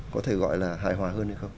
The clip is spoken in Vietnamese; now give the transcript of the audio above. có thể gọi là hại hòa hơn hay không